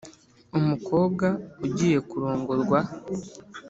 umukobwa ugiye kurongorwa